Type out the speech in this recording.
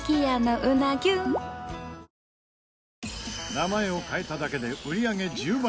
名前を変えただけで売り上げ１０倍。